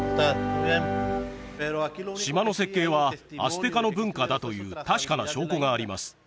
島の設計はアステカの文化だという確かな証拠があります